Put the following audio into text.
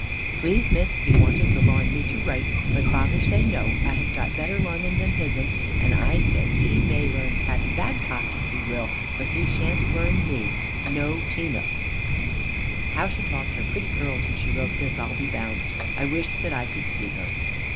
Please Miss he wanted to larn me to write, but father say no I had got better learning than hisn, and I say he may learn Tabby Badcock if he will, but he shan't learn me. No tino." How she tossed her pretty curls when she wrote this I'll be bound. I wished that I could see her.